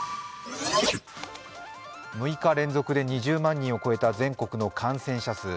６日連続で２０万人を超えた全国の感染者数。